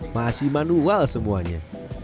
masih manual semuanya